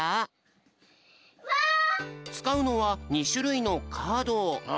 つかうのは２しゅるいのカード。